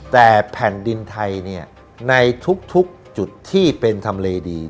แต่แผ่นดินไทยเนี่ยในทุกจุดที่เป็นทำเลดี